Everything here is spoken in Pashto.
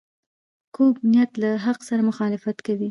کوږ نیت له حق سره مخالفت کوي